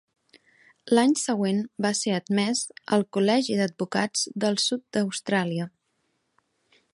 L'any següent va ser admès al col·legi d'advocats del sud d'Austràlia.